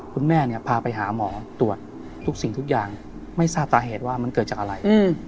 คุณแม่เนี่ยพาไปหาหมอตรวจทุกสิ่งทุกอย่างไม่ทราบสาเหตุว่ามันเกิดจากอะไร